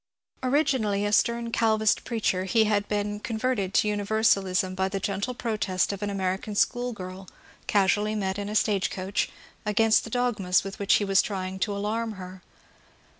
Originally a stem Calvinist preacher, he had been converted to Universalism by the gentle protest of an American schoolgirl, casually met in a stage coach, against the dogmas with which he was trying to ahirm her.